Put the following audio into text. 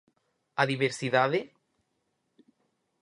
A diversidade?